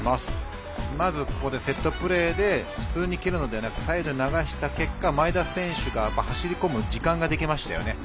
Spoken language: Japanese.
セットプレーで普通に蹴るのではなくサイドに流した結果前田選手が走り込む時間ができましたね。